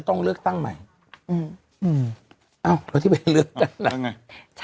ต้องเลือกตั้งใหม่อืมอืมเอ้าแล้วที่ไปเลือกกันแล้วใช่ไง